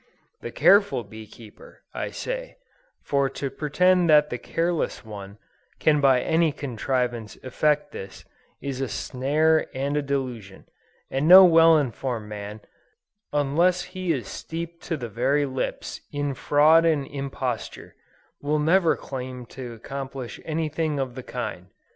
The CAREFUL bee keeper, I say: for to pretend that the careless one, can by any contrivance effect this, is "a snare and a delusion;" and no well informed man, unless he is steeped to the very lips, in fraud and imposture, will ever claim to accomplish any thing of the kind.